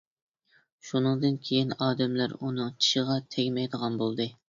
شۇنىڭدىن كېيىن ئادەملەر ئۇنىڭ چىشىغا تەگمەيدىغان بولدى.